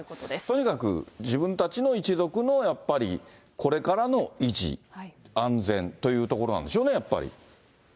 とにかく自分たちの一族のやっぱり、これからの維持、安全というところなんでしょうね、やっぱり。